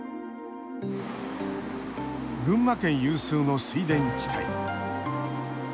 群馬県有数の水田地帯。